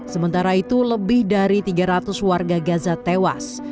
sementara itu lebih dari tiga ratus warga gaza tewas